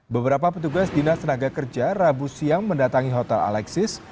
beberapa petugas dinas tenaga kerja rabu siang mendatangi hotel alexis